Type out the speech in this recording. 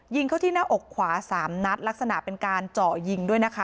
เข้าที่หน้าอกขวาสามนัดลักษณะเป็นการเจาะยิงด้วยนะคะ